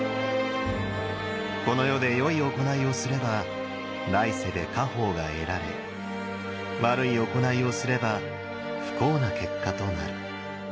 この世で良い行いをすれば来世で果報が得られ悪い行いをすれば不幸な結果となる。